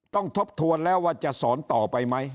ทบทวนแล้วว่าจะสอนต่อไปไหม